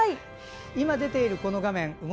今出ているこの画面。